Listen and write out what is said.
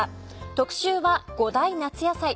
特集は５大夏野菜。